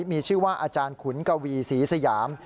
มีชื่อว่าอาจารย์ขุนกวีศรีสยาม